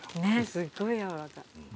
すごいやわらかい。